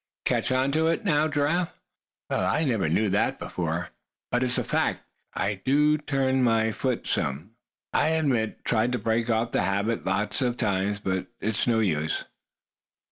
Catch on to it, now, Giraffe?" "Well, I never knew that before; but it's a fact, Thad, I do turn that foot some, I admit. Tried to break off the habit lots of times, but it's no use."